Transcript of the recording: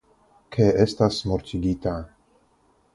Ke estas mortigita.